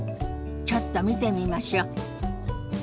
ちょっと見てみましょ。